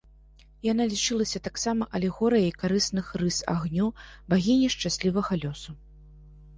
Яна лічылася таксама алегорыяй карысных рыс агню, багіняй шчаслівага лёсу.